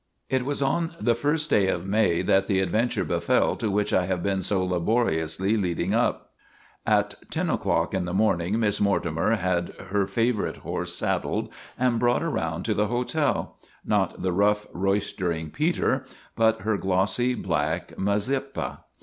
It was on the first day of May that the adventure befell to which I have been so laboriously leading up. At ten o'clock in the morning Miss Mortimer had her favorite horse saddled and brought around 278 TOM SAWYER OF THE MOVIES to the hotel not the rough, roistering Peter, but her glossy, black Mazeppa.